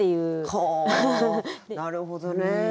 はあなるほどね。